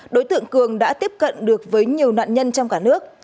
đối tượng cường đã tiếp cận được với nhiều nạn nhân trong cả nước